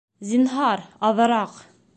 Зинһар, аҙыраҡ